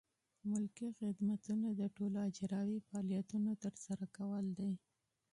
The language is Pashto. ملکي خدمتونه د ټولو اجرایوي فعالیتونو ترسره کول دي.